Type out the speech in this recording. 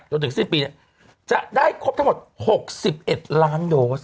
จนถึงสิ้นปีนี้จะได้ครบทั้งหมด๖๑ล้านโดส